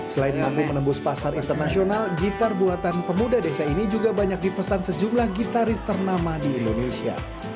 selain mampu menembus pasar internasional gitar buatan pemuda desa ini juga banyak dipesan sejumlah gitaris ternama di indonesia